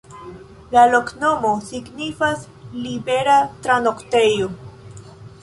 La loknomo signifas: libera-tranoktejo.